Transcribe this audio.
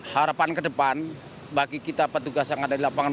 harapan ke depan bagi kita petugas yang ada di lapangan